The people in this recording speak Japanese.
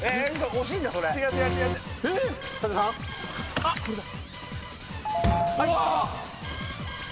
えっ⁉これだ。